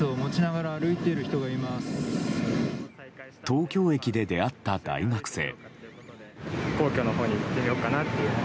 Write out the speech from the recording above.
東京駅で出会った大学生。